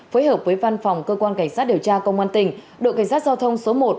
phối hợp với văn phòng cơ quan cảnh sát điều tra công an tỉnh đội cảnh sát giao thông số một